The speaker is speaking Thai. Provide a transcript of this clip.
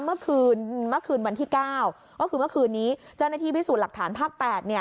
เมื่อคืนวันที่๙ก็คือเมื่อคืนนี้เจ้าหน้าที่พิสูจน์หลักฐานภาค๘